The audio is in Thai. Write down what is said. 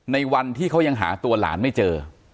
ในวันที่เขายังหาตัวหลานไม่เจอ